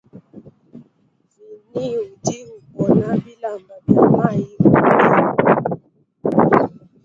Vinie udi upona bilamba bia mayi onso.